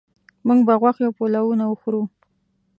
موږ به غوښې او پلونه وخورو